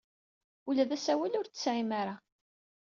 Ula d asawal ur t-tesɛim ara.